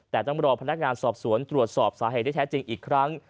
แต่ต้องรอพนักงานสอบสวนตรวจสอบสาเหตุที่แท้จริงอีกครั้ง